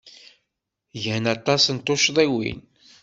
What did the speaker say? Gan aṭas n tuccḍiwin.